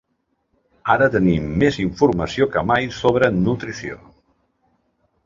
Ara tenim més informació que mai sobre nutrició.